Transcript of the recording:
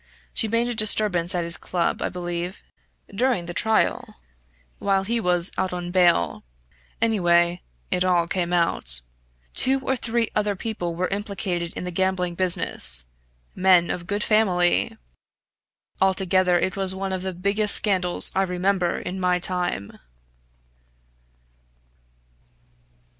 She made a disturbance at his club, I believe, during the trial, while he was out on bail anyway it all came out. Two or three other people were implicated in the gambling business men of good family. Altogether it was one of the biggest scandals I remember in my time."